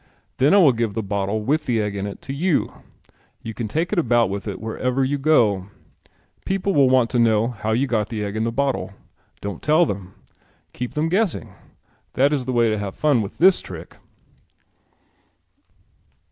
Then I will give the bottle with the egg in it to you. You can take it about with you wherever you go. People will want to know how you got the egg in the bottle. Don't tell them. Keep them guessing. That is the way to have fun with this trick."